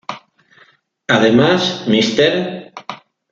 Además, Mr.